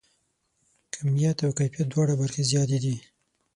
کیمیت او کیفیت دواړه برخې زیاتې دي.